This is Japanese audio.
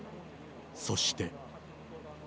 そして。